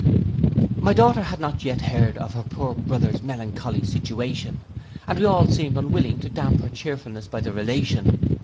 My daughter had not yet heard of her poor brother's melancholy situation, and we all seemed unwilling to damp her cheerfulness by the relation.